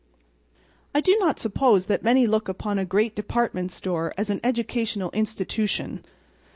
I do not suppose that many look upon a great department store as an educational institution.